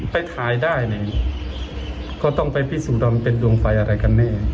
ไปถ่ายได้เนี่ยก็ต้องไปพิสูจน์ว่ามันเป็นดวงไฟอะไรกันแน่